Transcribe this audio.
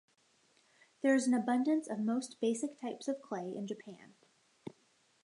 There is an abundance of most basic types of clay in Japan.